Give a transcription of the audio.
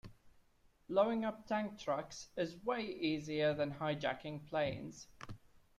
Blowing up tank trucks is way easier than hijacking planes.